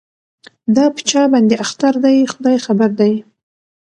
دا په چا باندي اختر دی خداي خبر دی